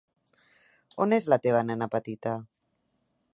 On és la teva nena petita?